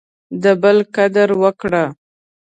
د بل قدر وکړه.